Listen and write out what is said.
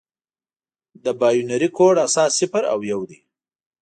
د بایونري کوډ اساس صفر او یو دی.